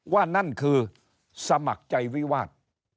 นั่นคือสมัครใจวิวาส